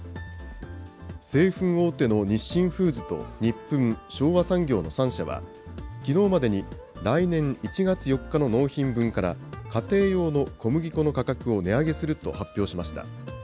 製粉大手の日清フーズとニップン、昭和産業の３社は、きのうまでに来年１月４日の納品分から、家庭用の小麦粉の価格を値上げすると発表しました。